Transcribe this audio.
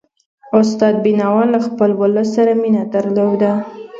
استاد بينوا له خپل ولس سره مینه درلودله.